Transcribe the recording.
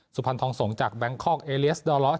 สุพันธ์ทองศงศ์จากแบงคลอกเอเรียสด์ด้อหลอส